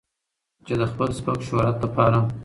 چې د خپل سپک شهرت د پاره